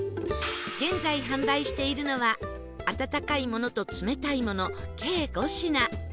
現在販売しているのは温かいものと冷たいもの計５品